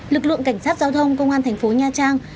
lực lượng cảnh sát giao thông công an thành phố nha trang